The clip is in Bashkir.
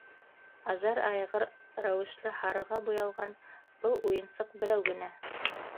Ажар айғыр рәүешле һарыға буялған был уйынсыҡ берәү генә.